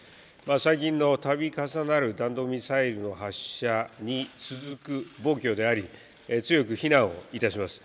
最近のたび重なる弾道ミサイルの発射に続く暴挙であり、強く非難をいたします。